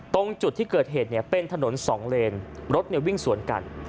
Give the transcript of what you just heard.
ตรงจุดที่เกิดเหตุเป็นถนนสองเลนรถวิ่งสวนกัน